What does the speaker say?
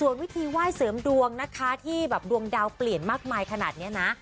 วิธีไหว้เสริมดวงนะคะที่แบบดวงดาวเปลี่ยนมากมายขนาดนี้นะ